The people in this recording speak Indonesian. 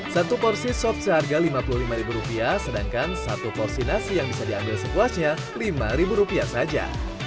satu porsi sop seharga lima puluh lima sedangkan satu porsi nasi yang bisa diambil sepuasnya lima rupiah saja